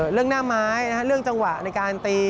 เรื่องหน้าไม้เรื่องจังหวะในการตี